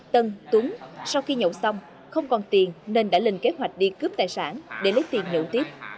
tân tuấn sau khi nhậu xong không còn tiền nên đã lên kế hoạch đi cướp tài sản để lấy tiền nhẫn tiếp